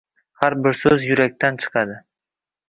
Har bir so‘z yurakdan chiqadi.